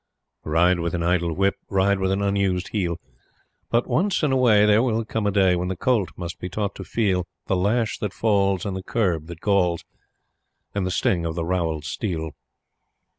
Ride with an idle whip, ride with an unused heel. But, once in a way, there will come a day When the colt must be taught to feel The lash that falls, and the curb that galls, and the sting of the rowelled steel.